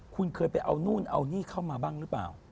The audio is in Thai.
คุณเคยไปเอานู่นเอานี่เข้ามาบ้างหรือเปล่า